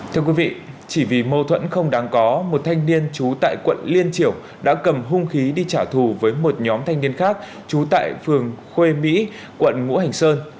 thưa quý vị chỉ vì mâu thuẫn không đáng có một thanh niên trú tại quận liên triểu đã cầm hung khí đi trả thù với một nhóm thanh niên khác trú tại phường khuê mỹ quận ngũ hành sơn